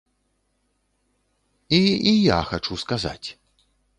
І і я хачу сказаць.